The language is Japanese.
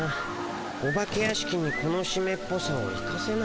お化け屋敷にこのしめっぽさを生かせないかな。